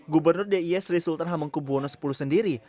gubernur d i e sri sultan hamangkubo no sepuluh sendiri